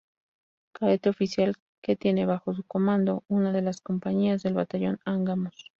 Cadete Oficial que tiene bajo su comando una de las compañías del Batallón Angamos.